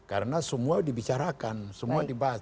karena semua dibicarakan semua dibahas